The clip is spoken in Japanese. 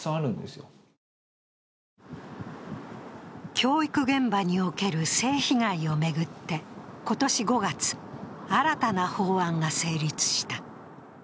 教育現場における性被害を巡って、今年５月、新たな法案が成立した。